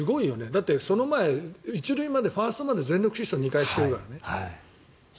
だって、その前１塁までファーストまで全力疾走２回してるからね。